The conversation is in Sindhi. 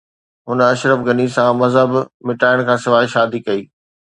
هن اشرف غني سان مذهب مٽائڻ کانسواءِ شادي ڪئي